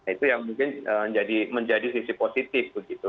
itu yang mungkin menjadi sisi positif begitu